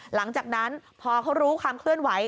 หลังจากนั้นพอเขารู้ความเคลื่อนไหว